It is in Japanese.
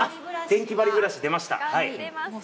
デンキバリブラシ出ました。